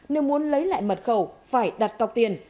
nếu muốn lấy lại mật khẩu phải đặt cọc tiền